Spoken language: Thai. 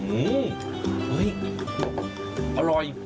อื้ออร่อย